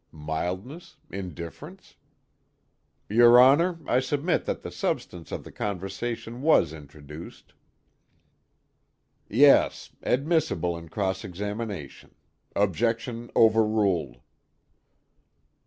Mildness, indifference? "Your Honor, I submit that the substance of the conversation was introduced." "Yes admissible in cross examination. Objection overruled."